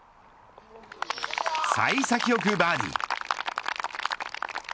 幸先良くバーディー。